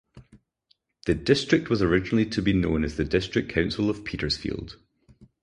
The district was originally to be known as the District Council of Petersfield.